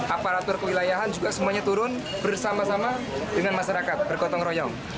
aparatur kewilayahan juga semuanya turun bersama sama dengan masyarakat bergotong royong